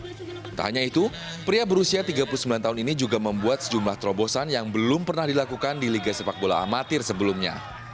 tidak hanya itu pria berusia tiga puluh sembilan tahun ini juga membuat sejumlah terobosan yang belum pernah dilakukan di liga sepak bola amatir sebelumnya